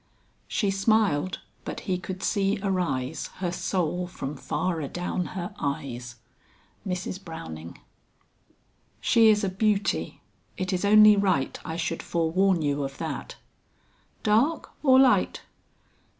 "She smiled; but he could see arise Her soul from far adown her eyes." MRS. BROWNING. "She is a beauty; it is only right I should forewarn you of that." "Dark or light?"